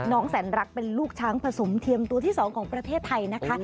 น้องแสนรักเป็นลูกช้างผสมเทียมตัวที่๒ของประเทศไทยนะคะ